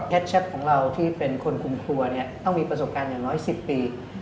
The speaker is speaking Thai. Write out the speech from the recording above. แชทของเราที่เป็นคนคุมครัวเนี่ยต้องมีประสบการณ์อย่างน้อย๑๐ปี